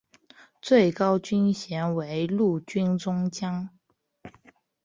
最高军衔为陆军中将。